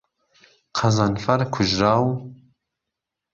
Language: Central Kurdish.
قەزنەفەر کوژراو